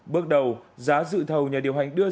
bước đầu giá dự thầu nhà điều hành đưa ra